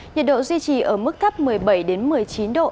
nhiệt độ duy trì ở mức thấp một mươi bảy một mươi chín độ